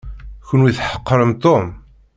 Kenwi tḥeqrem Tom.